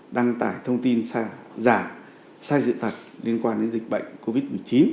đăng tải thông tin giả sai sự thật liên quan đến dịch bệnh covid một mươi chín